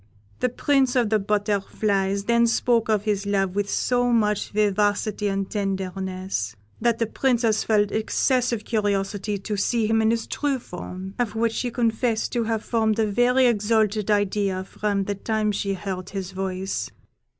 The Prince of the Butterflies then spoke of his love with so much vivacity and tenderness, that the Princess felt excessive curiosity to see him in his true form, of which she confessed to have formed a very exalted idea from the time she heard his voice.